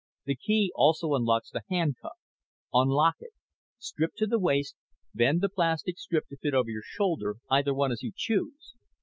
The key also unlocks the handcuff. Unlock it. Strip to the waist. Bend the plastic strip to fit over your shoulder either one, as you choose.